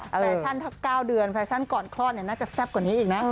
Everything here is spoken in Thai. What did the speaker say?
แฟชั่นถ้า๙เดือนแฟชั่นก่อนคลอดน่าจะแซ่บกว่านี้อีกนะ